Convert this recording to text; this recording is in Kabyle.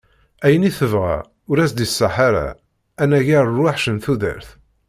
Ayen i tebɣa ur as-d-iṣaḥ ara, anagar lweḥc n tudert.